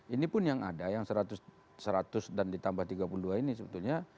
ini pun yang ada yang seratus dan ditambah tiga puluh dua ini sebetulnya